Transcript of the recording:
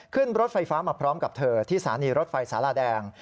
ขึ้นรถไฟฟ้ามาพร้อมกับเธอที่สถานีรถไฟสาราแดง